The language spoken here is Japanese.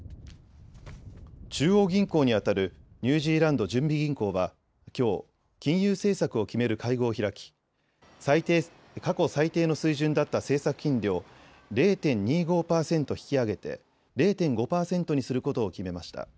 中央銀行にあたるニュージーランド準備銀行はきょう、金融政策を決める会合を開き過去最低の水準だった政策金利を０．２５％引き上げて０．５％にすることを決めました。